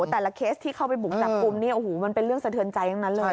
แต่ละเคสที่เข้าไปบุกจับกลุ่มเนี่ยโอ้โหมันเป็นเรื่องสะเทือนใจทั้งนั้นเลย